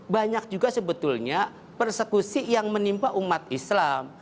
banyak juga sebetulnya persekusi yang menimpa umat islam